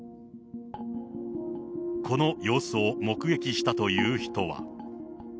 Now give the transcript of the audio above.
この様子を目撃したという人は。